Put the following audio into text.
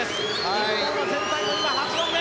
日本は全体の８番目。